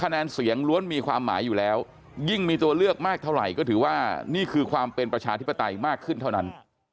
นี่คือความเป็นประชาธิปไตยมากขึ้นเท่านั้น